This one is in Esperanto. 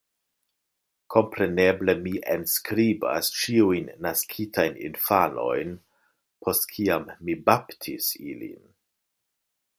Kompreneble mi enskribas ĉiujn naskitajn infanojn, post kiam mi baptis ilin.